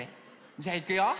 じゃあいくよ！